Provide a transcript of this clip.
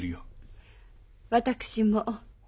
私も。